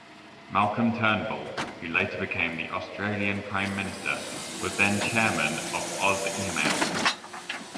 Malcolm Turnbull, who later became the Australian Prime Minister, was then chairman of OzEmail.